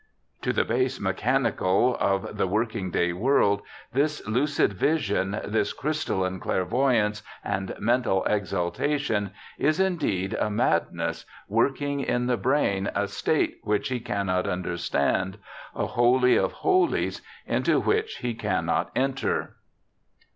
^ To the base mechanical of the working day world, this lucid vision, this crystalline clairvo3'ance and mental exaltation is indeed a madness working in the brain, a state which he cannot under stand, a Holy of Holies into which he cannot enter.